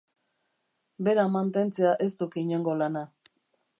Bera mantentzea ez duk inongo lana.